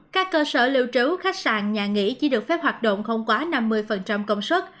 các cơ sở lưu trú khách sạn nhà nghỉ chỉ được phép hoạt động không quá năm mươi công suất